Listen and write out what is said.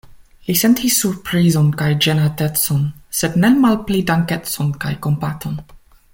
Li sentis surprizon kaj ĝenatecon, sed ne malpli dankecon kaj kompaton.